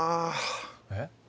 えっ？